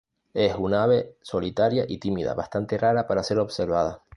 Es una ave solitaria y tímida, bastante rara para ser observada.